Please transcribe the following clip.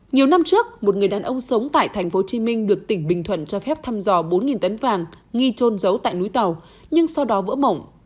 nhiều năm trước một người đàn ông sống tại tp hcm được tỉnh bình thuận cho phép thăm dò bốn tấn vàng nghi trôn giấu tại núi tàu nhưng sau đó vỡ mộng